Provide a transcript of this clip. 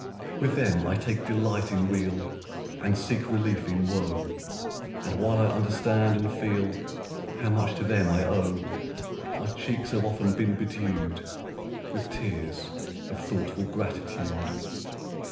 1 1 10 GEORGIAN VERSE With them I take delight in weal, And seek relief in woe; And while I understand and feel How much to them I owe, My cheeks have often been bedew'd With tears of thoughtful gratitude.